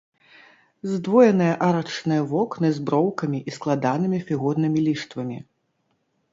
Здвоеныя арачныя вокны з броўкамі і складанымі фігурнымі ліштвамі.